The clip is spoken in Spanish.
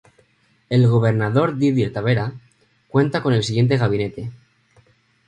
El gobernador Didier Tavera cuenta con el siguiente gabinete